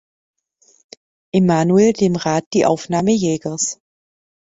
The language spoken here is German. Emanuel dem Rat die Aufnahme Jägers.